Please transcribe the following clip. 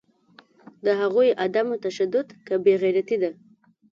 د هغوی عدم تشدد که بیغیرتي ده